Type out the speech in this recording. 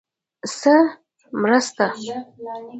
_څه مرسته؟